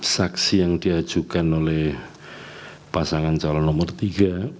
saksi yang diajukan oleh pasangan calon nomor tiga